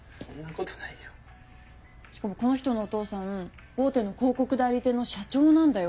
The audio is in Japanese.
しかもこの人のお父さん大手の広告代理店の社長なんだよ。